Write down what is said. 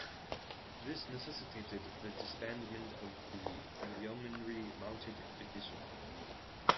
This necessitated the disbandment of the Yeomanry Mounted Division.